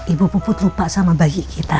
ibu puput lupa sama bayi kita